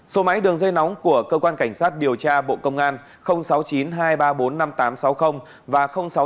số máy đường dây nóng của cơ quan cảnh sát điều tra bộ công an sáu mươi chín hai trăm ba mươi bốn năm nghìn tám trăm sáu mươi và sáu mươi chín hai trăm ba mươi một một nghìn sáu trăm bảy